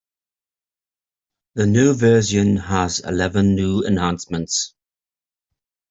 The new version has eleven new enhancements.